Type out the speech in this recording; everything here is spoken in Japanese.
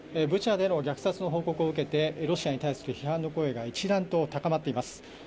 ブチャでの虐殺の報告を受けてロシアに対する批判の声が一段と高まっています。